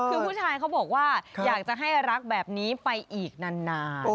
คือผู้ชายเขาบอกว่าอยากจะให้รักแบบนี้ไปอีกนาน